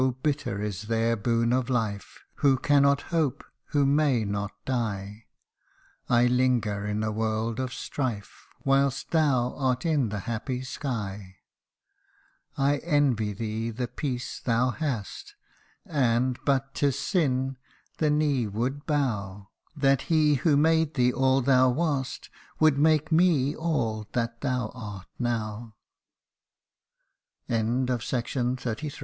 bitter is their boon of life Who cannot hope who may not die I linger in a world of strife, Whilst thou art in the happy sky ! I envy thee the peace thou hast, And, but 'tis sin, the knee would bow, That He who made thee all thou wast, Would make m